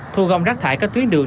thu gom rác thải các tuyến đường